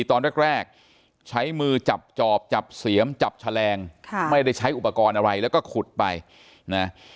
ตอนแรกใช้มือจับจอบจับเสียมจับแฉลงไม่ได้ใช้อุปกรณ์อะไรแล้วก็ขุดไปนะ